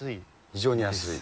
非常に安い。